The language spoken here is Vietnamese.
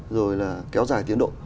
rồi là kéo dài tiến độ